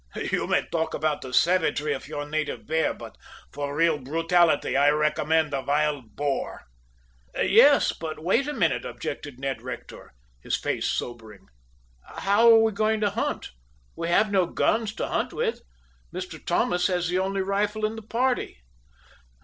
You may talk about the savagery of your native bear. But, for real brutality, I recommend the wild boar." "Yes, but wait a minute," objected Ned Rector, his face sobering. "How are we going to hunt? We have no guns to hunt with. Mr. Thomas has the only rifle in the party."